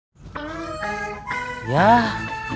kisah kisah dari pak ustadz